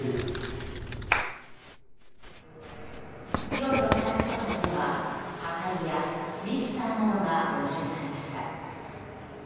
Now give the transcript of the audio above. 今日の家宅捜索では、はかりやミキサーなどが押収されました。